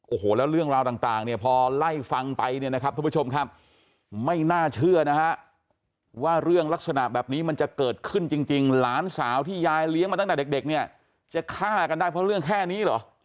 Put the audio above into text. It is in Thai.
โอ้โหแล้วเรื่องราวต่างเนี่ยพอไล่ฟังไปเนี่ยนะครับทุกผู้ชมครับไม่น่าเชื่อนะฮะว่าเรื่องลักษณะแบบนี้มันจะเกิดขึ้นจริงหลานสาวที่ยายเลี้ยงมาตั้งแต่เด็กเนี่ยจะฆ่ากันได้เพราะเรื่องแค่นี้เหรอ